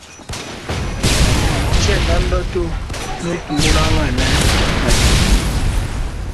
Lelu tshienandua to ne tumunangane kabidi.